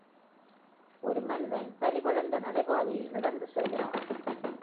ஒரு மனிதன் பனி படர்ந்த நடைபாதையில் நடந்து செல்கிறான்.